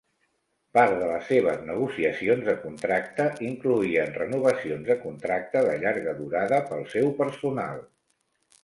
Part de les seves negociacions de contracte incloïen renovacions de contracte de llarga durada pel seu personal.